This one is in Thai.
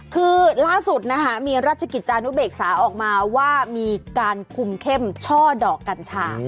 คือล่าสุดนะคะมีราชกิจจานุเบกษาออกมาว่ามีการคุมเข้มช่อดอกกัญชา